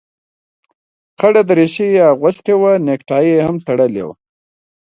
خړه دريشي يې اغوستې وه نيكټايي يې هم تړلې وه.